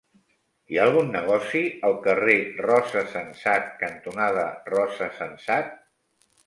Hi ha algun negoci al carrer Rosa Sensat cantonada Rosa Sensat?